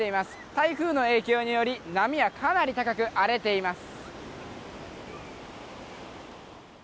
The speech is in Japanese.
台風の影響により波はかなり高く荒れています。